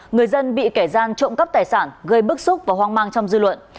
người dân bị kẻ gian trộm cắp tài sản gây bức xúc và hoang mang trong dư luận